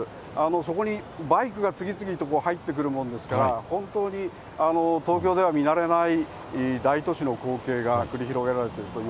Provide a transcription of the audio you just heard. そこにバイクが次々と入ってくるもんですから、本当に東京では見慣れない大都市の光景が繰り広げられているとい